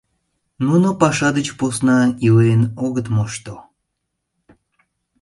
Нуно паша деч посна илен огыт мошто.